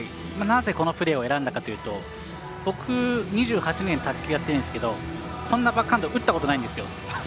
なぜ、このプレーを選んだかというと僕、２８年卓球やってたんですけどこんなバックハンド打ったことないんですよ。